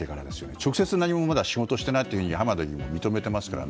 直接、何もまだ仕事をしていないというふうに浜田議員も認めていますからね。